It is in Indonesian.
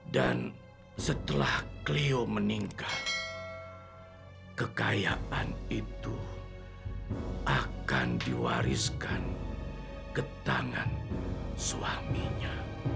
dan setelah clio meninggal kekayaan itu akan diwariskan ketangan suaminya